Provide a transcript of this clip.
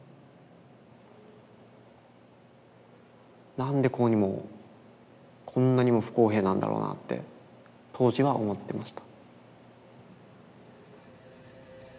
何でこうにもこんなにも不公平なんだろうなって当時は思ってました。